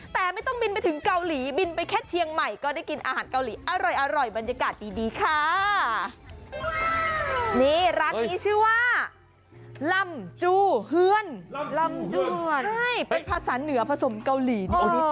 แต่ไม่ต้องบินไปถึงเกาหลีบินไปแค่เชียงใหม่ก็ได้กินอาหารเกาหลี